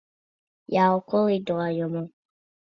Jauku lidojumu.